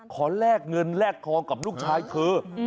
แลกเงินแลกทองกับลูกชายเธอ